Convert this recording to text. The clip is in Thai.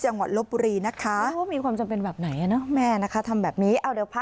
ลบบุรีนะคะว่ามีความจำเป็นแบบไหนอ่ะเนอะแม่นะคะทำแบบนี้เอาเดี๋ยวพา